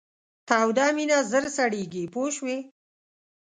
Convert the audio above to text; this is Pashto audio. توده مینه ژر سړیږي پوه شوې!.